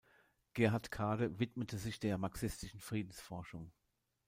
Gerhard Kade widmete sich der marxistischen Friedensforschung.